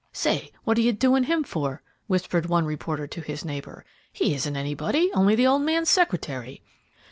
"Say, what are you 'doing' him for?" whispered one reporter to his neighbor. "He isn't anybody; only the old man's secretary."